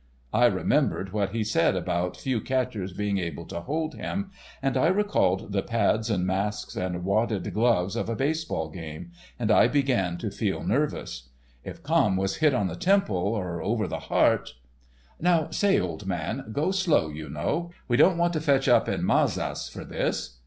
I remembered what he said about few catchers being able to hold him, and I recalled the pads and masks and wadded gloves of a baseball game, and I began to feel nervous. If Camme was hit on the temple or over the heart— "Now, say, old man, go slow, you know. We don't want to fetch up in Mazas for this.